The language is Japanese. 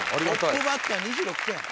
トップバッター２６点。